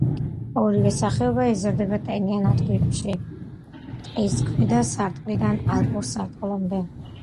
ორივე სახეობა იზრდება ტენიან ადგილებში, ტყის ქვედა სარტყლიდან ალპურ სარტყლამდე.